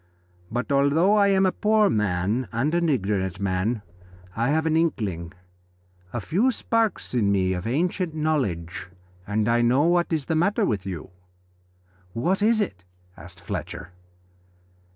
But although I am a poor man and an ignorant man, I have an inkling, a few sparks in me of ancient knowledge, and I know what is the matter with you." "What is it?" asked Fletcher.